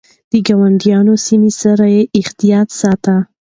د ګاونډيو سيمو سره يې احتياط ساته.